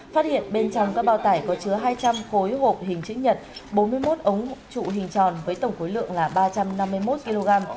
phát hiện bên trong các bao tải có chứa hai trăm linh khối hộp hình chữ nhật bốn mươi một ống trụ hình tròn với tổng khối lượng là ba trăm năm mươi một kg